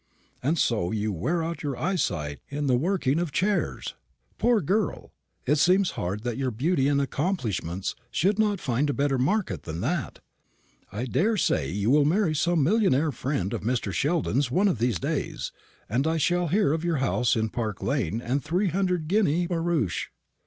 "And so you wear out your eyesight in the working of chairs. Poor girl! it seems hard that your beauty and accomplishments should not find a better market than that. I daresay you will marry some millionaire friend of Mr. Sheldon's one of these days, and I shall hear of your house in Park lane and three hundred guinea barouche."